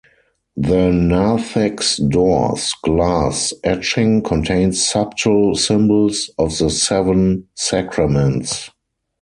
The Narthex doors' glass etching contains subtle symbols of the seven Sacraments.